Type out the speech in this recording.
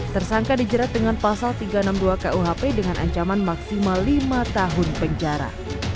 tersangka dijerat dengan pasal tiga ratus enam puluh dua kuhp dengan ancaman maksimal lima tahun penjara